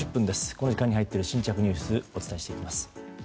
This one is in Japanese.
この時間に入っている新着ニュースをお伝えします。